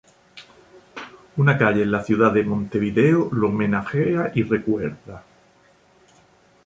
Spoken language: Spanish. Una calle en la ciudad de Montevideo, lo homenajea y recuerda.